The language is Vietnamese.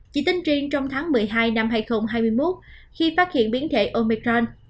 chỉ tính riêng trong tháng một mươi hai năm hai nghìn hai mươi một khi phát hiện biến thể omecrand